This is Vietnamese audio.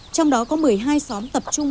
trong đó có một mươi hai xóm tập trung